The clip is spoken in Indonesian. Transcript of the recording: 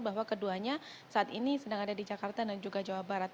bahwa keduanya saat ini sedang ada di jakarta dan juga jawa barat